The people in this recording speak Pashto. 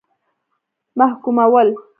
محکومول.